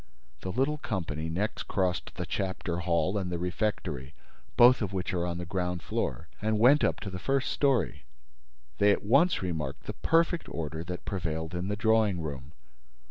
The little company next crossed the chapter hall and the refectory, both of which are on the ground floor, and went up to the first story. They at once remarked the perfect order that prevailed in the drawing room.